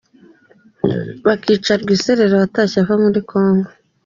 Bakica Rwisereka watashye ava muri Congo